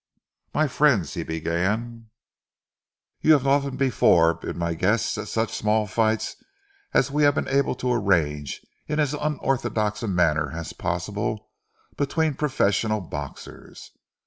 "My friends," he began, "you have often before been my guests at such small fights as we have been able to arrange in as unorthodox a manner as possible between professional boxers.